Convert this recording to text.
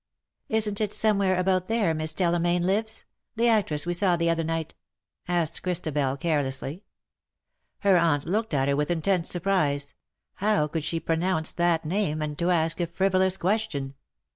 " Isn't it somewhere about there Miss Stella Mayne lives, the actress we saw the other night ?" asked Christabel, carelessly. Her aunt looked at her with intense surprise, — how could she pronounce that name, and to ask a frivolous question?